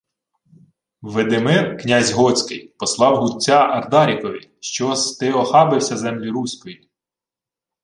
— Видимир, князь готський, послав гудця Ардарікові, що-с ти охабився землі Руської.